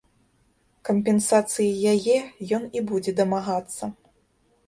Кампенсацыі яе ён і будзе дамагацца.